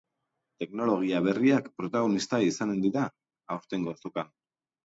Teknologia berriak protagonista izanen dira aurtengo azokan.